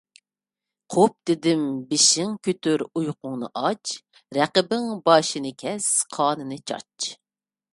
قوپ! دېدىم، بېشىڭ كۆتۈر! ئۇيقۇڭنى ئاچ! رەقىبىڭ باشىنى كەس، قانىنى چاچ!